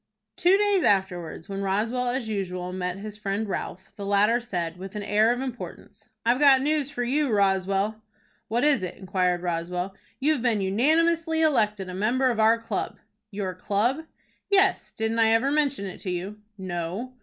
Two days afterwards, when Roswell as usual met his friend Ralph, the latter said, with an air of importance: "I've got news for you, Roswell." "What is it?" inquired Roswell. "You've been unanimously elected a member of our club." "Your club?" "Yes; didn't I ever mention it to you?" "No."